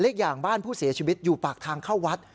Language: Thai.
อีกอย่างบ้านผู้เสียชีวิตอยู่ปากทางเข้าวัด